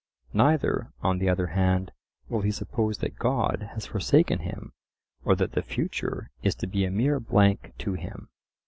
Neither, on the other hand, will he suppose that God has forsaken him or that the future is to be a mere blank to him.